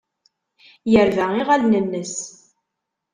Yerba iɣallen-nnes.